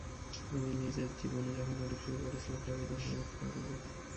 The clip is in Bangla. আমি নিজের জীবনে যখন নাটক শুরু করেছিলাম, সবাই তখন আমাকে পাগল বলত।